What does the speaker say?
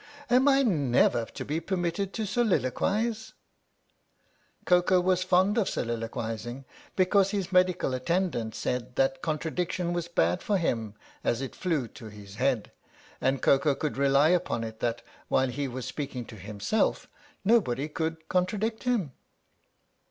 " Am I never to be permitted to soliloquize ?" Kf)ko was fond of soliloquizing because his medical attendant said that contradiction was bad for him as it flew to his head, and Koko could rely upon it that while he was speaking to himself, nobody could con tradict him.